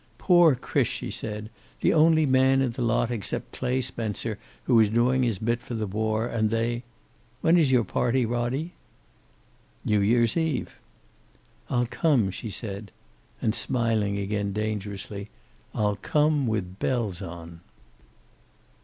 "Poor Chris!" she said. "The only man in the lot except Clay Spencer who is doing his bit for the war, and they when is your party, Roddie?" "New year's Eve." "I'll come," she said. And smiling again, dangerously, "I'll come, with bells on."